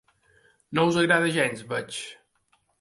No us agrada gens, veig.